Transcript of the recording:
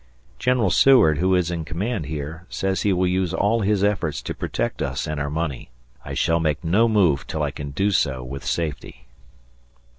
... General Seward, who is in command here, says he will use all his efforts to protect us and our money. I shall make no move till I can do so with safety.